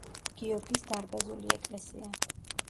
გიორგის დარბაზული ეკლესია.